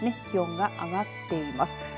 気温が上がっています。